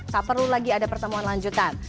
tak perlu lagi ada pertemuan lanjutan